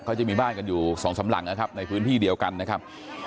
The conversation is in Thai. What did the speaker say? เขาจะมีบ้านกันอยู่สองสามหลังนะครับในพื้นที่เดียวกันนะครับ